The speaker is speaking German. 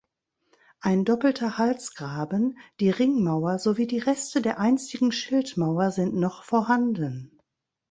Ein doppelter Halsgraben, die Ringmauer sowie die Reste der einstigen Schildmauer sind noch vorhanden.